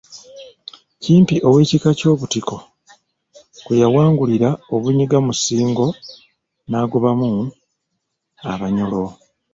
Kimpi ow'ekika ky'Obutiko kwe yawangulira Obunyiga mu Ssingo n'agobamu Abanyoro.